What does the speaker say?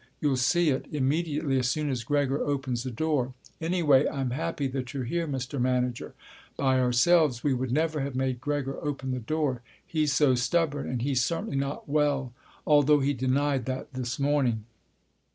You'll see it immediately, as soon as Gregor opens the door. Anyway, I'm happy that you're here, Mr. Manager. By ourselves, we would never have made Gregor open the door. He's so stubborn, and he's certainly not well, although he denied that this morning."